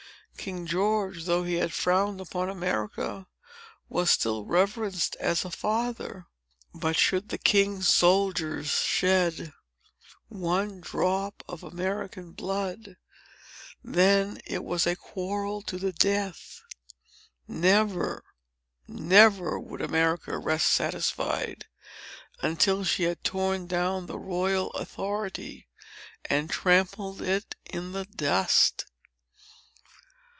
King George, though he had frowned upon America, was still reverenced as a father. But, should the king's soldiers shed one drop of American blood, then it was a quarrel to the death. Never—never would America rest satisfied, until she had torn down the royal authority, and trampled it in the dust.